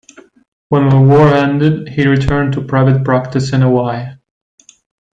When the war ended he returned to private practice in Hawaii.